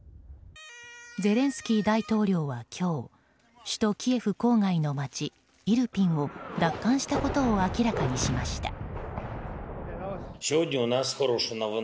ゼレンスキー大統領は今日首都キエフ郊外の街イルピンを奪還したことを明らかにしました。